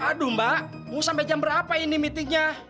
aduh mbak mau sampai jam berapa ini meetingnya